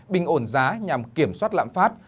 bình ổn giá nhằm kiểm soát lãm phát